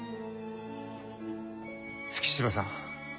月柴さん